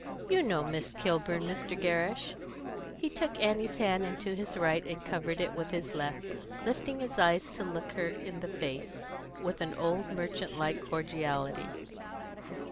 You know Miss Kilburn, Mr. Gerrish." He took Annie's hand into his right and covered it with his left, lifting his eyes to look her in the face with an old merchant like cordiality.